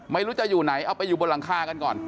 ไม่รู้จะอยู่ไหนเอาไปอยู่บนหลังคากันก่อน